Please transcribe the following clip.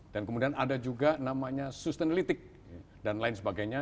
dan kemudian ada juga namanya sustainalytic dan lain sebagainya